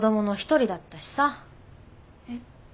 えっ。